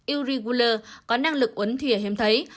uri guler có năng lực uấn thủy ở hiếm thấy